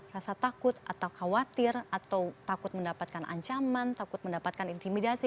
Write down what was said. rasa takut atau khawatir atau takut mendapatkan ancaman takut mendapatkan intimidasi